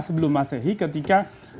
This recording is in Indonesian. sebelum masehi ketika